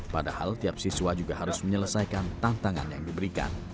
padahal tiap siswa juga harus menyelesaikan tantangan yang diberikan